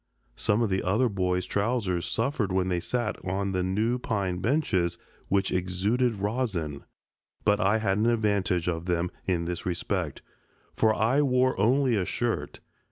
Some of the other boys' trousers suffered when they sat on the new pine benches, which exuded rosin, but I had an advantage of them in this respect, for I wore only a shirt.